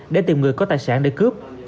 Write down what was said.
để tìm người có tài sản để cướp